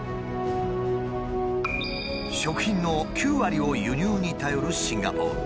食品の９割を輸入に頼るシンガポール。